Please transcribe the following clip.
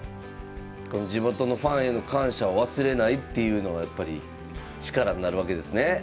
地元のファンへの感謝を忘れないっていうのがやっぱり力になるわけですね。